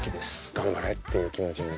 頑張れっていう気持ちになって。